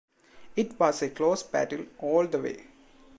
It was a close battle all the way.